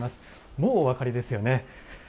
もうお分かりですよね。